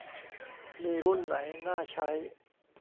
มีรุ่นไหนน่าใช้